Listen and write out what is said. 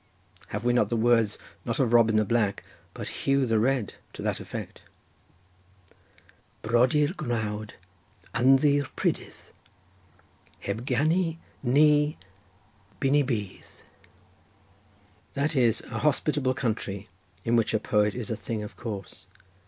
Have we not the words, not of Robin the Black, but Huw the Red to that effect? "'Brodir, gnawd ynddi prydydd; Heb ganu ni bu ni bydd.' "That is: a hospitable country, in which a poet is a thing of course.